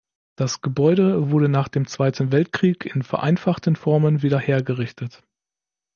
Das Gebäude wurde nach dem Zweiten Weltkrieg in vereinfachten Formen wieder hergerichtet.